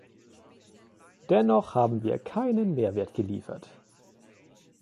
Dennoch haben wir keinen Mehrwert geliefert.